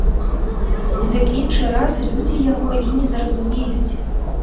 Дык іншы раз людзі яго і не зразумеюць.